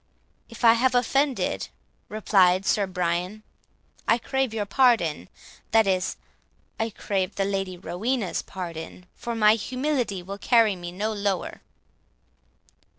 "If I have offended," replied Sir Brian, "I crave your pardon,—that is, I crave the Lady Rowena's pardon,—for my humility will carry me no lower."